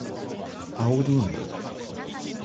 青りんご